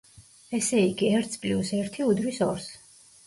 ესე იგი, ერთს პლიუს ერთი უდრის ორს.